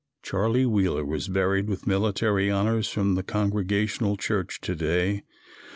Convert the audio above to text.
Charlie Wheeler was buried with military honors from the Congregational church to day.